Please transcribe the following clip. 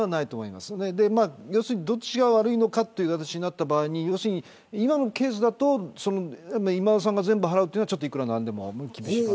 どっちが悪いのかという話になった場合今のケースだと今田さんが全部払うというのはいくら何でも。